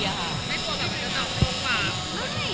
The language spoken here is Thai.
ไม่กลัวแบบมันจะต่อคลุมมา